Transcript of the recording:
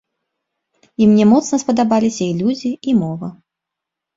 І мне моцна спадабаліся і людзі, і мова.